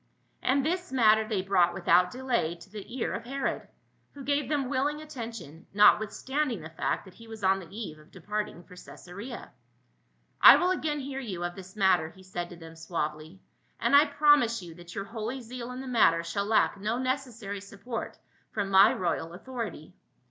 And this matter they brought without delay to the ear of Herod, who gave them willing attention, not withstanding the fact that he was on the eve of depart ing for Caesarea. " I will again hear you of this mat ter," he said to them suavely; "and I promise you that your holy zeal in the matter shall lack no neces sary support from my royal authority."